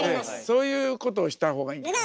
そういうことをしたほうがいいんじゃない？